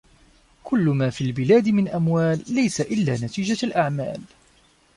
كل ما في البلاد من أموال ليس إلا نتيجة الأعمال